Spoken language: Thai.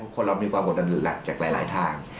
คนเรามีปฏิบัติดัดลักษณ์จากหลายทาง